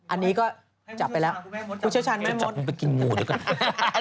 อันนี้ก็จับไปแล้วฟุตเชิญชาญไหมมท์จะจับมันไปกินงูเดร้า